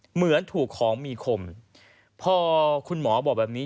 เหมือนถูกของมีคมพอคุณหมอบอกแบบนี้